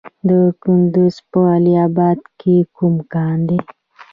د کندز په علي اباد کې کوم کان دی؟